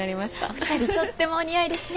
２人とってもお似合いですね。